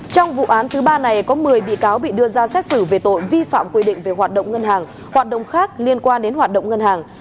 trong vụ án thứ ba này có một mươi bị cáo bị đưa ra xét xử về tội vi phạm quy định về hoạt động ngân hàng hoạt động khác liên quan đến hoạt động ngân hàng